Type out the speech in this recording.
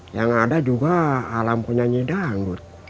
yang ada juga alam punya nyedang